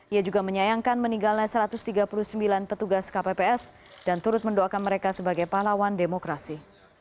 ia juga menyayangkan meninggalnya satu ratus tiga puluh sembilan petugas kpps dan turut mendoakan mereka sebagai pahlawan demokrasi